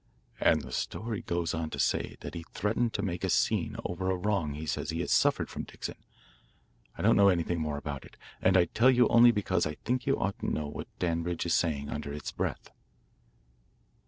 "And the story goes on to say that he threatened to make a scene over a wrong he says he has suffered from Dixon. I don't know anything more about it, and I tell you only because I think you ought to know what Danbridge is saying under its breath."